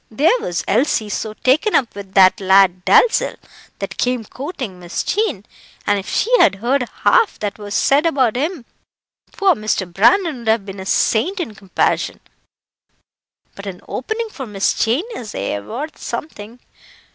There was Elsie so taken up with that lad Dalzell, that came courting Miss Jean, and if she had heard half that was said about him, poor Mr. Brandon would have been a saint in comparison. But an opening for Miss Jane is aye worth something.